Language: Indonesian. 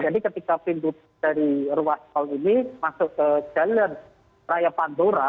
jadi ketika pintu dari ruas tol ini masuk ke jalan raya pandora